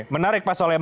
menarik pak soleman